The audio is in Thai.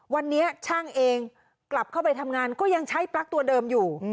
วันนี้ช่างเองกลับเข้าไปทำงานก็ยังใช้ปลั๊กตัวเดิมอยู่